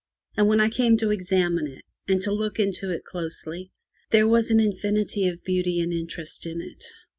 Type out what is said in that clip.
And when I came to examine it, and to look into it closely, there was an infinity of beauty and interest in it.